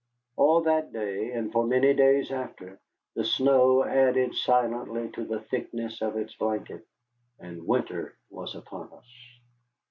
All that day, and for many days after, the snow added silently to the thickness of its blanket, and winter was upon us.